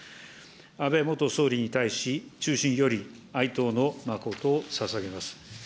安倍元総理に対し、衷心より哀悼の誠をささげます。